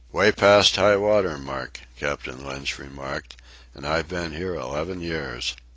"Way past high water mark," Captain Lynch remarked; "and I've been here eleven years."